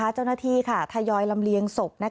เจ้าหน้าที่ทายอยลำเลียงศพ